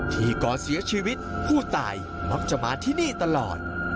ก่อเสียชีวิตผู้ตายมักจะมาที่นี่ตลอด